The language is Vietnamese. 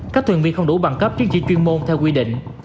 các thuyền viên không đủ bằng cấp chứng chỉ chuyên môn theo quy định